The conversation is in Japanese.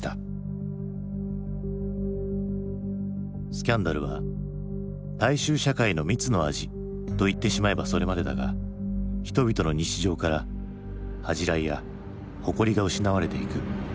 スキャンダルは大衆社会の蜜の味といってしまえばそれまでだが人々の日常から恥じらいや誇りが失われていく。